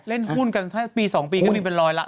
เล่นหุ้นกันถ้าปี๒ปีก็มีเป็นรอยหลัก